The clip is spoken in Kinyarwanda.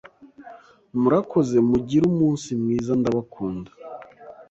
Murakoze mugire umunsi mwiza ndabakunda